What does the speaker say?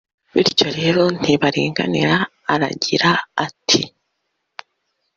Bityo rero ntibaringanira aragira ati